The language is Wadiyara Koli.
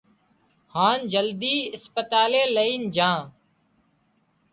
هانَ جلدي اسپتالئي لئي جھان